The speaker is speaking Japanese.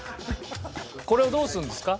これをどうするんですか？